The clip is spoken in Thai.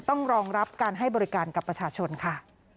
ต้องรองรับการให้บริการกับประชาชนค่ะ